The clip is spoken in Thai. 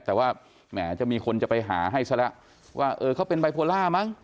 แต่ว่าแหมจะมีคนจะไปหาให้ซะแล้วว่าเออเขาเป็นไบโพล่ามั้ง